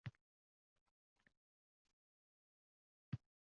Yangi avlod tug‘iladi, ularni hayot yo‘liga eski avlod tayyorlaydi